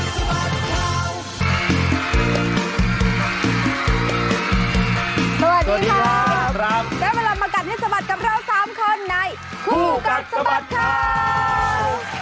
สวัสดีครับวันนี้ก็มากันให้สบัดกับเรา๓คนในผู้กัดสบัดครับ